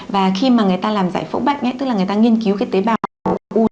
và khi mà người ta làm giải phẫu bạch tức là người ta nghiên cứu cái tế bào u